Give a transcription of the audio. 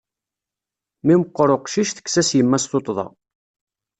Mi meqqeṛ uqcic, tekkes-as yemma-s tuṭṭḍa.